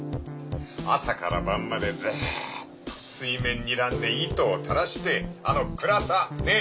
朝から晩までずっと水面睨んで糸を垂らしてあの暗さねっ。